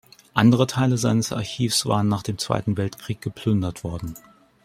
Andere Teile seines Archivs waren nach dem Zweiten Weltkrieg geplündert worden.